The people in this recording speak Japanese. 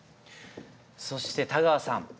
そして田川さん「白秋」